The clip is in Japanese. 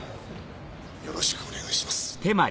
よろしくお願いします。